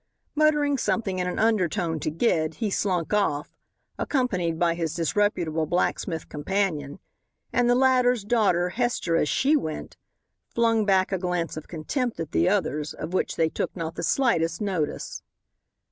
Muttering something in an undertone to Gid, he slunk off, accompanied by his disreputable blacksmith companion and the latter's daughter, Hester, as she went, flung back a glance of contempt at the others, of which they took not the slightest notice.